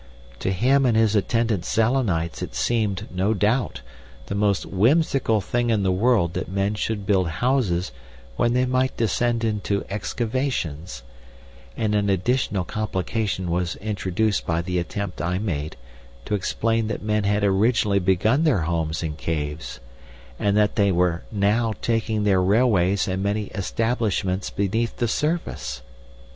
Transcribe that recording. To him and his attendant Selenites it seemed, no doubt, the most whimsical thing in the world that men should build houses when they might descend into excavations, and an additional complication was introduced by the attempt I made to explain that men had originally begun their homes in caves, and that they were now taking their railways and many establishments beneath the surface.